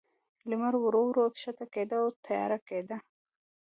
لمر ورو، ورو کښته کېده، او تیاره کېده.